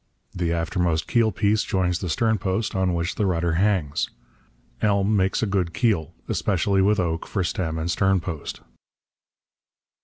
The aftermost keel piece joins the stern post, on which the rudder hangs. Elm makes a good keel, especially with oak for stem and stern post.